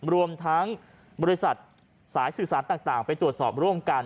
รวมทั้งบริษัทสายสื่อสารต่างไปตรวจสอบร่วมกัน